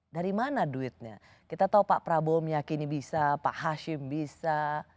dari mana duitnya kita tahu pak prabowo meyakini bisa pak hashim bisa